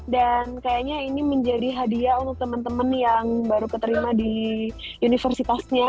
dan kayaknya ini menjadi hadiah untuk temen temen yang baru keterima di universitasnya